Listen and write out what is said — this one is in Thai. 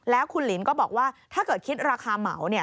แล้วคุณหลินก็บอกว่าถ้าเกิดคิดราคาเหมาเนี่ย